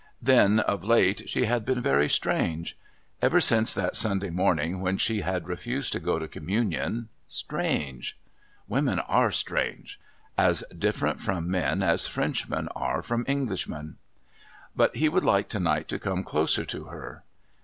Then of late she had been very strange; ever since that Sunday morning when she had refused to go to Communion.... Strange! Women are strange! As different from men as Frenchmen are from Englishmen! But he would like to night to come closer to her.